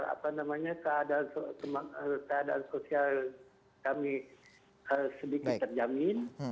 apa namanya keadaan sosial kami sedikit terjamin